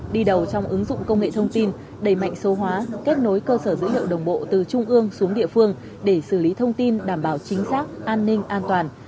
đi đầu trong ứng dụng công nghệ thông tin đầy mạnh số hóa kết nối cơ sở dữ liệu đồng bộ từ trung ương xuống địa phương để xử lý thông tin đảm bảo chính xác an ninh an toàn